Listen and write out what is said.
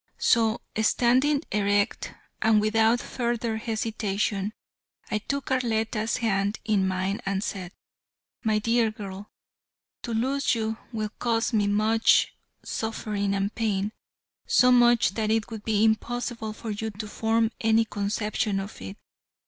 So, standing erect and without further hesitation, I took Arletta's hand in mine and said: "My dear girl, to lose you will cause me much suffering and pain, so much that it would be impossible for you to form any conception of it.